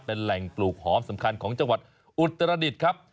เป็นแหล่งปลูกหอมสำคัญของจังหวัดอุตรดิษฐ์ครับ